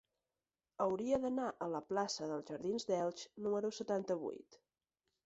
Hauria d'anar a la plaça dels Jardins d'Elx número setanta-vuit.